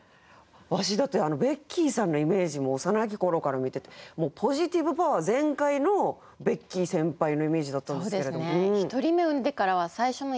わしだってベッキーさんのイメージもう幼き頃から見ててポジティブパワー全開のベッキー先輩のイメージだったんですけれど。